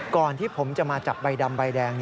ก่อนที่ผมจะมาจับใบดำใบแดง